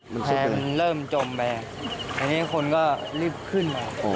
แพร่มันเริ่มจมแม่ในนี้คนก็รีบขึ้น